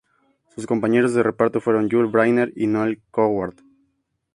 Sus compañeros de reparto fueron Yul Brynner y Noël Coward.